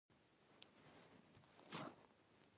په شاعرۍ کې د الله او رسول مینه پرته ده.